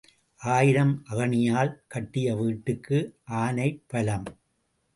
ஆயிரம் அகணியால் கட்டிய வீட்டுக்கு ஆனைப்பலம்.